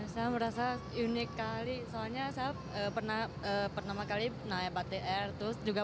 saya merasa unik kali soalnya saya pernah pertama kali naik batik air terus juga